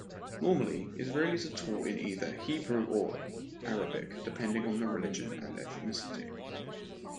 Normally, Israelis are taught in either Hebrew or Arabic depending on religion and ethnicity.